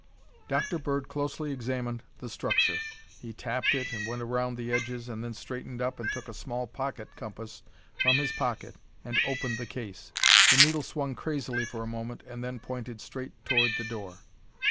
Dr. Bird closely examined the structure. He tapped it and went around the edges and then straightened up and took a small pocket compass from his pocket and opened the case. The needle swung crazily for a moment and then pointed straight toward the door.